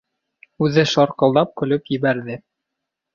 — Үҙе шарҡылдап көлөп ебәрҙе.